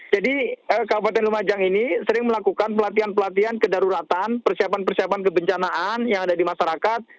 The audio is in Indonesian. jadi kabupaten lumajang ini sering melakukan pelatihan pelatihan kedaruratan persiapan persiapan kebencanaan yang ada di masyarakat